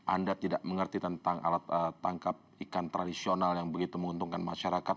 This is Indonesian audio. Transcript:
anda tidak mengerti tentang alat tangkap ikan tradisional yang begitu menguntungkan masyarakat